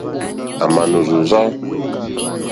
À mà nò rzòrzá.